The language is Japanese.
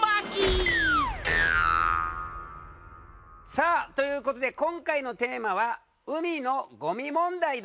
さあということで今回のテーマは海のごみ問題だ。